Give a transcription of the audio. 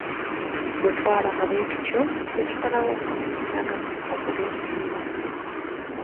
Bwe twalaba bwe tutyo ne tusalawo amasomero agamu okugeesonyiwa.